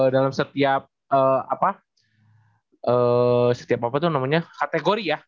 dalam setiap kategori ya